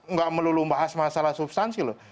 nggak melulu membahas masalah substansi loh